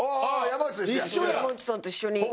山内さんと一緒に。